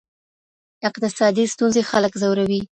اقتصادي ستونزې خلک ځوروي.